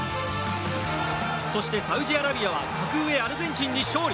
そして、サウジアラビアは格上アルゼンチンに勝利。